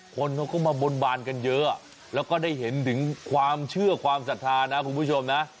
คนเขาก็มาบนบานกันเยอะแล้วก็ได้เห็นถึงความเชื่อความศรัทธานะคุณผู้ชมนะ